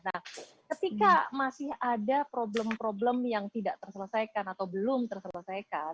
nah ketika masih ada problem problem yang tidak terselesaikan atau belum terselesaikan